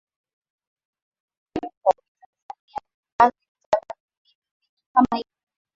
Hip Hop ya Tanzania ilibaki na itabaki vile vile kama ilivyo